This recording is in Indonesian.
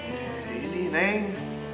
ya ini neng